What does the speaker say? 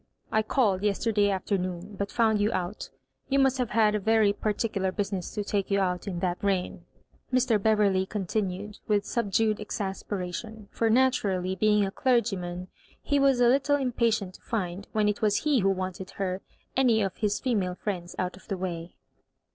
" I called yesterday afternoon, but found you out You must have had very particular business to take you out in that rain," Mr. Bever ley continued, with subdued exasperation; for naturally, being a clergyman, he was a little im patient to find, when it was he who wanted h^, any of his feniale friends out of the way.